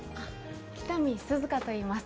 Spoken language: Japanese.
喜多見涼香といいます